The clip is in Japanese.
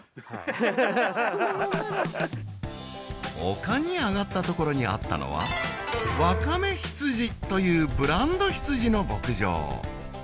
丘にあがった所にあったのはわかめ羊というブランド羊の牧場